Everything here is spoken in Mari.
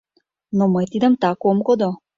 Но мый тидым так ом кодо!